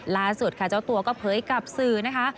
ล่าสุดค่ะเจ้าตัวก็เผยกับสื่อนะคะ